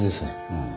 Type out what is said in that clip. うん。